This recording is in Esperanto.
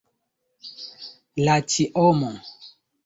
La ĉiomo.